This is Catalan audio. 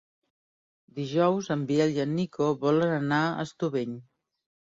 Dijous en Biel i en Nico volen anar a Estubeny.